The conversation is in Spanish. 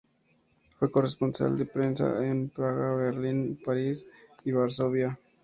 Fue corresponsal de prensa en Praga, Berlín, París y Varsovia.